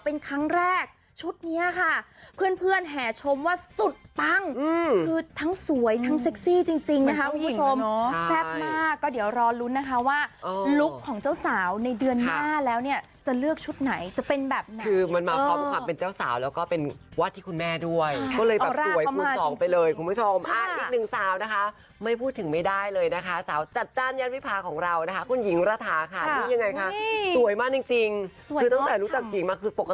เป็นครั้งแรกชุดเนี่ยค่ะเพื่อนแห่ชมว่าสุดปังคือทั้งสวยทั้งเซ็กซี่จริงนะคะคุณผู้ชมแซ่บมากก็เดี๋ยวรอลุ้นนะคะว่าลุคของเจ้าสาวในเดือนหน้าแล้วเนี่ยจะเลือกชุดไหนจะเป็นแบบไหนคือมันมาพร้อมกับความเป็นเจ้าสาวแล้วก็เป็นวัดที่คุณแม่ด้วยก็เลยแบบสวยคูณสองไปเลยคุณผู้ชมอีกหนึ่งสาวนะคะไม่พ